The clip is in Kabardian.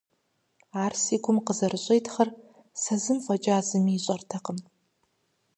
Ар си гум къызэрыщӀитхъыр сэ зым фӀэкӀа зыми ищӀэркъым…